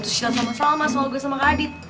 terus cinta sama salma soal gue sama kak adit